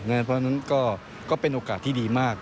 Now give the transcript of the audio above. เพราะฉะนั้นก็เป็นโอกาสที่ดีมาก